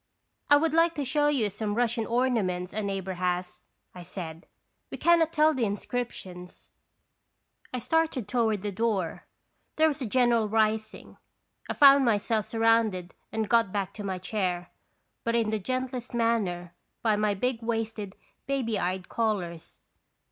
" I would like to show you some Russian ornaments a neighbor has," I said; "we can not tell the inscriptions." 160 & rations thsitation. 1 started toward the door. There was a general rising. 1 found myself surrounded and got back to my chair, but in the gentlest manner, by my big waisted, baby eyed callers.